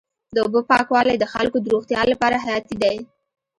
د اوبو پاکوالی د خلکو د روغتیا لپاره حیاتي دی.